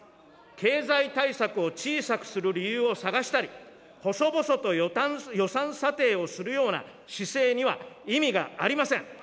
経済対策を小さくする理由を探したり、細々と予算査定をするような姿勢には意味がありません。